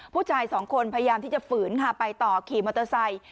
ผู้ชายสองคนพยายามที่จะฝืนค่ะไปต่อขี่มอเตอร์ไซค์